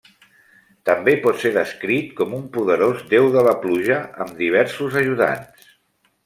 També pot ser descrit com un poderós déu de la pluja, amb diversos ajudants.